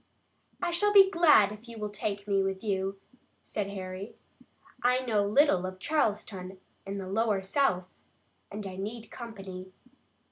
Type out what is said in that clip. "I shall be glad if you will take me with you," said Harry. "I know little of Charleston and the lower South, and I need company."